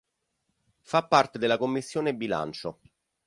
Fa parte della Commissione Bilancio.